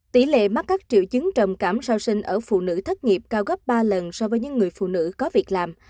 tỷ lệ mắc các triệu chứng trầm cảm sau sinh ở phụ nữ thất nghiệp cao gấp ba lần so với những người phụ nữ có việc làm